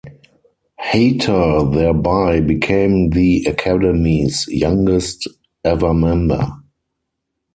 Hayter thereby became the Academy's youngest ever member.